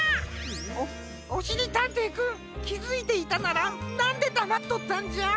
おおしりたんていくんきづいていたならなんでだまっとったんじゃ？